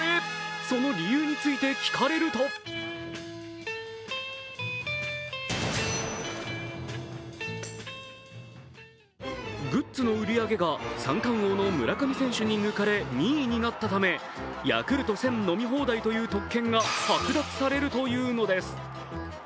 その理由について聞かれるとグッズの売り上げが三冠王の村上選手に抜かれ２位になったため、ヤクルト１０００飲み放題という特権が剥奪されるというのです。